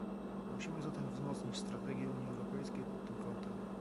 Musimy zatem wzmocnić strategie Unii Europejskiej pod tym kątem